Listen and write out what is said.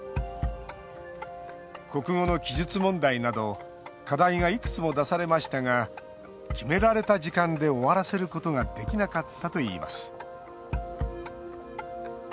国語の記述問題など課題がいくつも出されましたが決められた時間で終わらせることができなかったといいます。